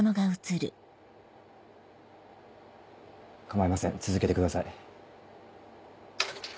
構いません続けてください。